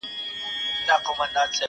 خدای دي ووهه پر ما به توره شپه کړې,